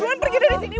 buruan pergi dari sini